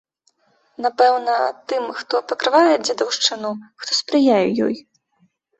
Напэўна, тым, хто пакрывае дзедаўшчыну, хто спрыяе ёй?